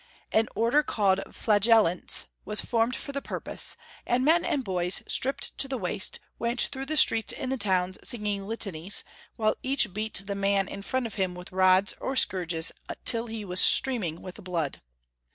An order called Flagellants was formed for the purpose, and men and boys, stripped to the waist, went through the streets in the towns singing litanies, while each beat the man in front of him with rods or scourges till he was streaming with blood.